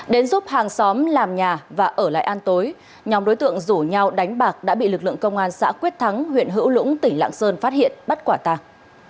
đến giúp hàng xóm làm nhà và ở lại an tối nhóm đối tượng rủ nhau đánh bạc đã bị lực lượng công an xã quyết thắng huyện hữu lũng tỉnh lạng sơn phát hiện bắt quả tàng